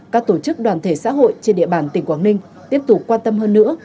các tổ chức đoàn thể xã hội trên địa bàn tỉnh quảng ninh tiếp tục quan tâm hơn nữa